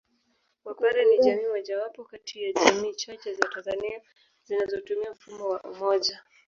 Wapare ni jamii mojawapo kati ya jamii chache za Tanzania zinazotumia mfumo wa Umoja